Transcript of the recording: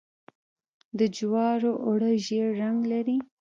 د جوارو اوړه ژیړ رنګ لري.